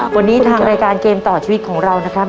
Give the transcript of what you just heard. วันนี้ทางรายการเกมต่อชีวิตของเรานะครับ